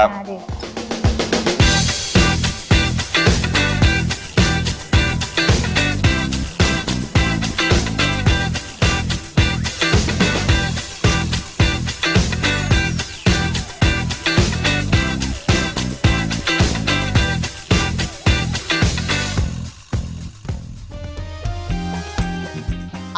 อ่าเดี๋ยว